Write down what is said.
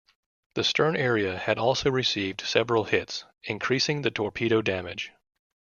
The stern area had also received several hits, increasing the torpedo damage.